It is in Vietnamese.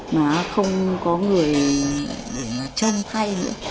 mà không có người để là chăm thay nữa